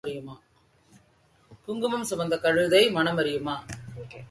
குங்குமம் சுமந்த கழுதை மணம் அறியுமா?